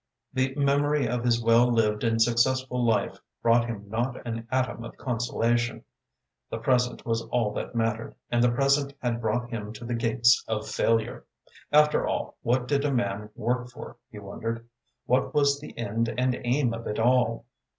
The memory of his well lived and successful life brought him not an atom of consolation. The present was all that mattered, and the present had brought him to the gates of failure. After all, what did a man work for, he wondered? What was the end and aim of it all?